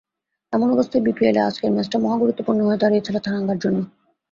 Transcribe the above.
এমন অবস্থায় বিপিএলে আজকের ম্যাচটা মহা গুরুত্বপূর্ণ হয়ে দাঁড়িয়েছিল থারাঙ্গার জন্য।